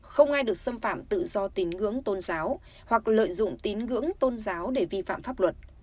không ai được xâm phạm tự do tín ngưỡng tôn giáo hoặc lợi dụng tín ngưỡng tôn giáo để vi phạm pháp luật